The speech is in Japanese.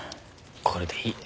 これでいい。